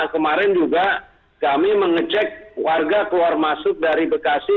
kemarin juga kami mengecek warga keluar masuk dari bekasi